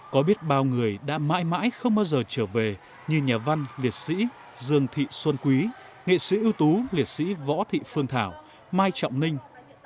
có biết bao người đã mãi mãi không bao giờ trở về như nhà văn liệt sĩ dương thị xuân quý nghệ sĩ ưu tú liệt sĩ võ thị phương thảo mai trọng ninh